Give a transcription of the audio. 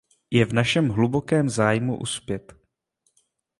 Je v našem hlubokém zájmu uspět.